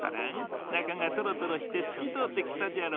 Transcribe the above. なかがトロトロしてすきとおってきたじゃろ。